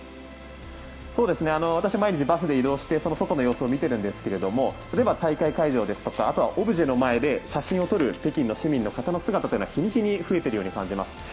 私、毎日バスで移動して外の様子を見ているんですけども例えば、大会会場ですとかオブジェの前で写真を撮る北京の市民の方は日に日に増えているように感じます。